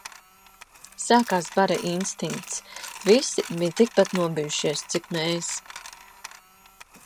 Sākās bara instinkts. Visi bija tik pat nobijušies, cik mēs.